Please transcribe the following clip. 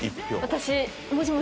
私。